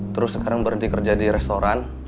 terus sekarang berhenti kerja di restoran